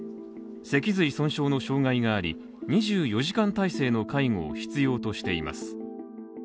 脊髄損傷の障害があり、２４時間体制の介護を必要としています